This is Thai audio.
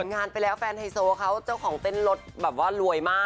แต่งงานไปแล้วแฟนไฮโซเขาเจ้าของเต้นรถแบบว่ารวยมาก